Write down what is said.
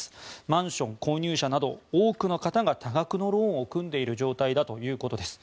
マンション購入者など多くの方が多額のローンを組んでいる状態だということです。